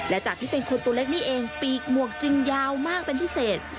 และจากที่เป็นคนตัวเล็กนี่เองปีกหมวกจึงยาวมากเป็นพิเศษ